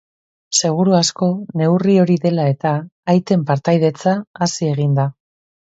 Seguru asko, neurri hori dela eta, aiten partaidetza hazi egin da.